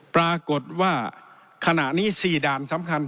ปรากฏว่าขณะนี้๔ด่านสำคัญ